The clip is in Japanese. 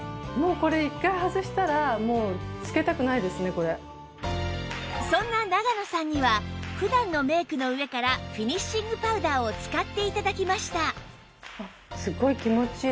この時季マスクにはそんな長野さんには普段のメイクの上からフィニッシングパウダーを使って頂きました